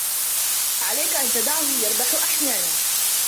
عليك أن تدعه يربح أحيانا.